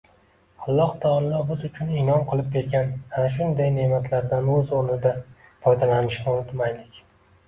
Alloh taolo biz uchun inʼom qilib bergan ana shunday neʼmatlardan oʻz oʻrnida foydalanishni unutmaylik!